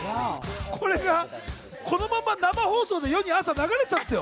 これがこのまま生放送で世に朝流れてたんです。